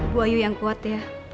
bu ayu yang kuat ya